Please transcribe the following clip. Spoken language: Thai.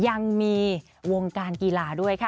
ยังมีวงการกีฬาด้วยค่ะ